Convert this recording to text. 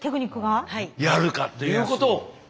やるかということを。